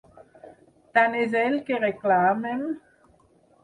Tant és el que reclamem?